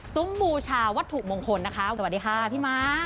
บูชาวัตถุมงคลนะคะสวัสดีค่ะพี่ม้า